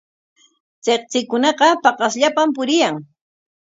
Tsiktsikunaqa paqasllapam puriyan.